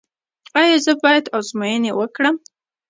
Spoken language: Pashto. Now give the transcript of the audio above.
ایا زه باید ازموینې وکړم؟